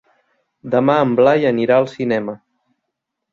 Demà en Blai anirà al cinema.